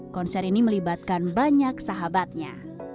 konser ini melibatkan banyak sahabatnya